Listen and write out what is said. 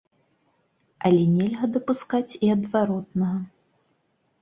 Але нельга дапускаць і адваротнага!